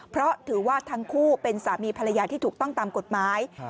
เพราะถือว่าทั้งคู่เป็นสามีภรรยาที่ถูกต้องตามกฎหมาย